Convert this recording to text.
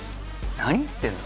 何言ってんの？